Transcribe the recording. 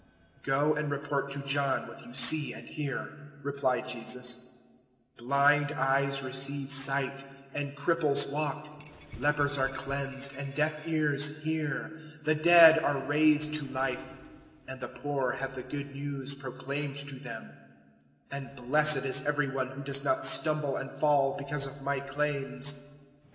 011:004 "Go and report to John what you see and hear," replied Jesus; 011:005 "blind eyes receive sight, and cripples walk; lepers are cleansed, and deaf ears hear; the dead are raised to life, and the poor have the Good News proclaimed to them; 011:006 and blessed is every one who does not stumble and fall because of my claims."